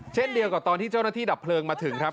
เช่นเดียวกับตอนที่เจ้าหน้าที่ดับเพลิงมาถึงครับ